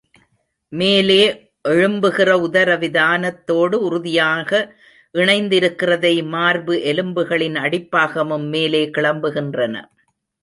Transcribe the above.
மேலே எழும்புகிற உதரவிதானத்தோடு உறுதியாக இணைந்திருக்கிறதை மார்பு எலும்புகளின் அடிபாகமும் மேலே கிளம்புகின்றன.